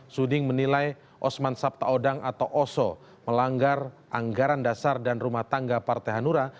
suding menilai osman sabtaodang atau oso melanggar anggaran dasar dan rumah tangga partai hanura